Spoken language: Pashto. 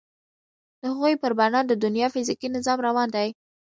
د هغوی پر بنا د دنیا فیزیکي نظام روان دی.